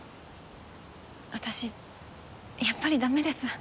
私やっぱりだめです。